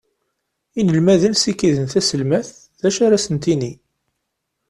Inelmaden sikiden taselmadt d acu ara sen-d-tini.